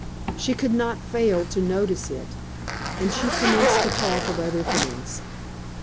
She could not fail to notice it, and she commenced to talk of other things.